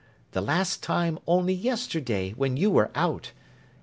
—the last time, only yesterday, when you were out.